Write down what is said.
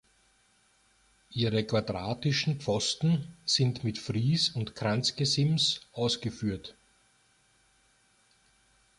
Ihre quadratischen Pfosten sind mit Fries und Kranzgesims ausgeführt.